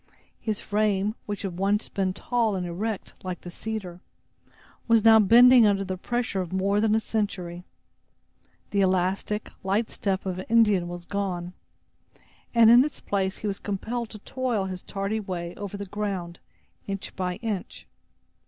His frame, which had once been tall and erect, like the cedar, was now bending under the pressure of more than a century. The elastic, light step of an Indian was gone, and in its place he was compelled to toil his tardy way over the ground, inch by inch.